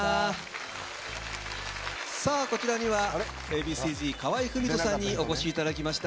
こちらにはＡ．Ｂ．Ｃ‐Ｚの河合郁人さんにお越しいただきました。